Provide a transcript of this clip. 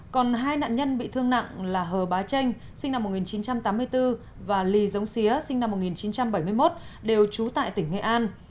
còn hai nạn nhân bị thương nặng là hờ bá tranh sinh năm một nghìn chín trăm tám mươi bốn và ly giống xía sinh năm một nghìn chín trăm bảy mươi một đều trú tại tỉnh nghệ an